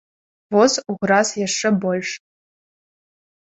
Воз уграз яшчэ больш.